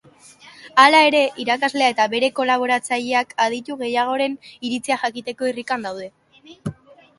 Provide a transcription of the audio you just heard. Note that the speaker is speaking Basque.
Hala ere, irakaslea eta bere kolaboratzaileak aditu gehiagoren iritzia jakiteko irrikan daude.